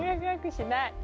しない。